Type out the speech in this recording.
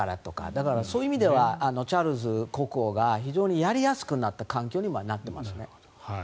だから、そういう意味ではチャールズ国王が非常にやりやすくなった環境にはなっていますね。